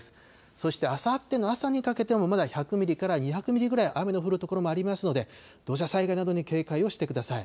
そしてあさっての朝にかけてもまだ１００ミリから２００ミリぐらい雨の降る所もありますので、土砂災害などに警戒をしてください。